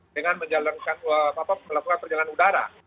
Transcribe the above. dengan melakukan perjalanan udara